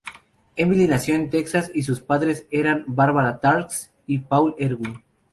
Emily nació en Texas y sus padres eran Barbara Trask y Paul Erwin.